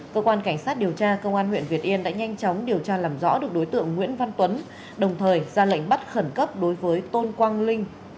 cơ quan cảnh sát điều tra công an huyện việt yên đã nhanh chóng điều tra làm rõ được đối tượng nguyễn văn tuấn đồng thời ra lệnh bắt khẩn cấp đối với tôn quang linh